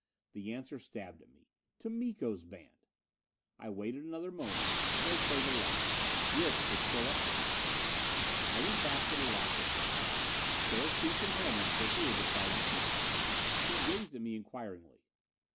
The answer stabbed at me: to Miko's band! I waited another moment. No further light. Wilks was still up there! I went back to the lock entrance. Spare suits and helmets were here beside the keeper. He gazed at me inquiringly.